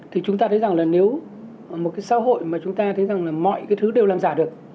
thì chúng ta thấy rằng là nếu một cái xã hội mà chúng ta thấy rằng là mọi cái thứ đều làm giả được